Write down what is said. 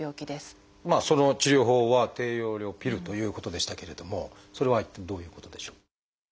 その治療法は低用量ピルということでしたけれどもそれは一体どういうことでしょう？